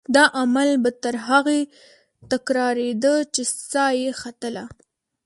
دا عمل به تر هغې تکرارېده چې سا یې ختله.